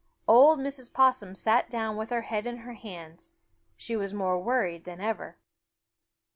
Old Mrs. Possum sat down with her head in her hands. She was more worried than ever.